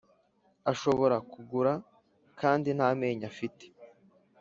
ashobora kugura kandi nt’amenyo afite